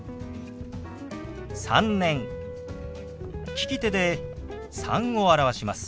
利き手で「３」を表します。